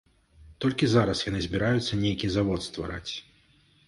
Толькі зараз яны збіраюцца нейкі завод ствараць.